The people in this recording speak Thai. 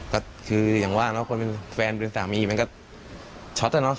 ก็คืออย่างว่าเนอะคนเป็นแฟนเป็นสามีมันก็ช็อตอะเนาะ